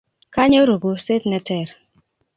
kanyoru kurset ne ter